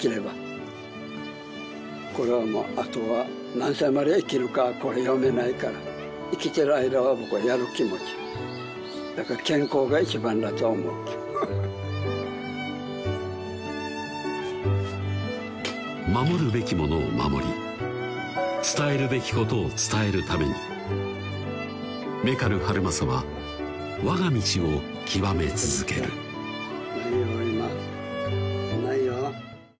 これはもうあとは何歳まで生きるかこれ読めないから生きてる間は僕はやる気持ちだから健康が一番だと思う守るべきものを守り伝えるべきことを伝えるために銘苅春政は我が道を極め続けるん？